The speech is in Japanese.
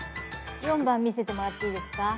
４番見せてもらっていいですか？